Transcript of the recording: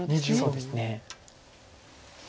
そうですね。